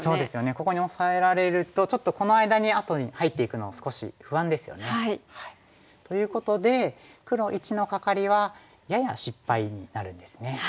ここにオサえられるとちょっとこの間にあとに入っていくの少し不安ですよね。ということで黒①のカカリはやや失敗になるんですね。